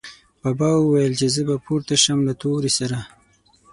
بابا ویل، چې زه به پورته شم له تورې سره